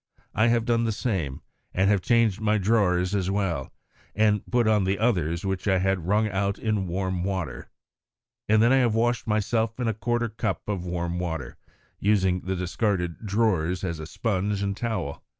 I have done the same, and have changed my drawers as well, and put on the others which I had wrung out in warm water. And then I have washed myself in a quarter of a cup of warm water, using the discarded drawers as sponge and towel.